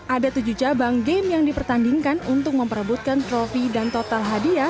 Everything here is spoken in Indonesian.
ada tujuh cabang game yang dipertandingkan untuk memperebutkan trofi dan total hadiah